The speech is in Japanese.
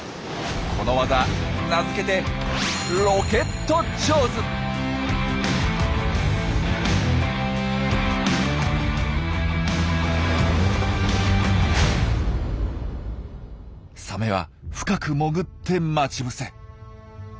このワザ名付けてサメは深く潜って待ち伏せ。